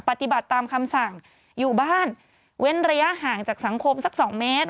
ปฏิบัติตามคำสั่งอยู่บ้านเว้นระยะห่างจากสังคมสัก๒เมตร